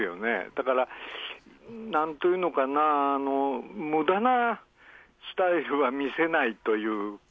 だから、なんというのかな、むだなスタイルは見せないという。